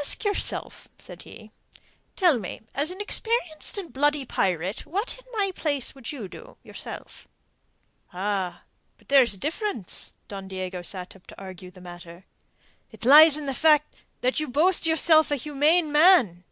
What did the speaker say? "Ask yourself," said he. "Tell me, as an experienced and bloody pirate, what in my place would you do, yourself?" "Ah, but there is a difference." Don Diego sat up to argue the matter. "It lies in the fact that you boast yourself a humane man."